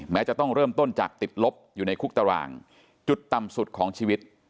จะต้องเริ่มต้นจากติดลบอยู่ในคุกตารางจุดต่ำสุดของชีวิต